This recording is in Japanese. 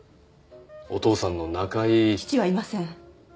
お父さんの中井父はいません